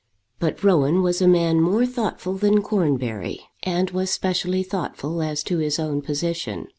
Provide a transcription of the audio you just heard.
But Rowan was a man more thoughtful than Cornbury, and was specially thoughtful as to his own position.